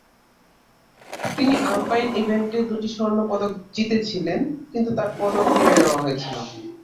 তিনি আলপাইন ইভেন্টে দুটি স্বর্ণ পদক জিতেছিলেন, কিন্তু তার পদক কেড়ে নেওয়া হয়েছিল।